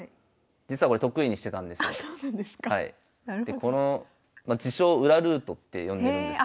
でこの自称「裏ルート」って呼んでるんですけど。